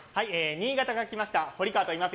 新潟から来ました堀川といいます